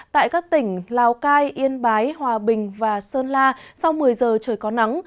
tại các tỉnh lào cai yên bái hòa bình và sơn la sau một mươi giờ trời có nắng